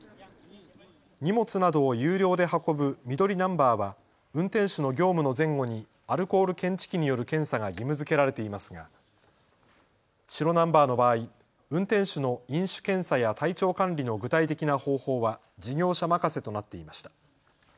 荷物などを有料で運ぶ緑ナンバーは運転手の業務の前後にアルコール検知器による検査が義務づけられていますが白ナンバーの場合、運転手の飲酒検査や体調管理の具体的な方法は事業者任せとなっていました。